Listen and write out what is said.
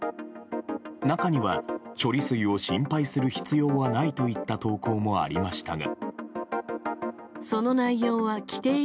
中には、処理水を心配する必要はないといった投稿もありましたが。